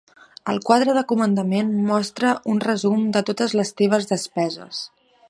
El quadre de comandament mostra un resum de totes les teves despeses.